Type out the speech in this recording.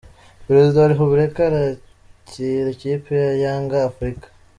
Perezida wa Repubulika arakira ikipe ya Yanga Afurika